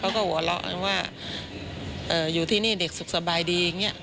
เขาก็หัวเราะว่าเอ่ออยู่ที่นี่เด็กสุขสบายดีอย่างเงี้ย